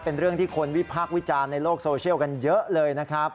เป็นเรื่องที่คนวิพากษ์วิจารณ์ในโลกโซเชียลกันเยอะเลยนะครับ